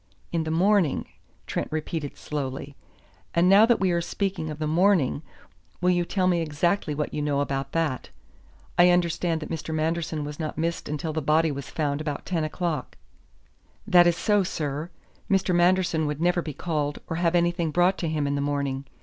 "In the morning," Trent repeated slowly. "And now that we are speaking of the morning, will you tell me exactly what you know about that. I understand that Mr. Manderson was not missed until the body was found about ten o'clock." "That is so, sir. Mr. Manderson would never be called, or have anything brought to him in the morning.